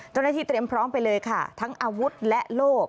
เจ้าหน้าที่เตรียมพร้อมไปเลยค่ะทั้งอาวุธและโลก